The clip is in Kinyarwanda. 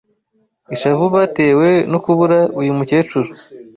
ishavu batewe no kubura uyu mukecuru